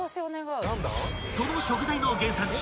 ［その食材の原産地